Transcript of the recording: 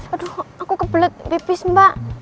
aduh aku kebelet tipis mbak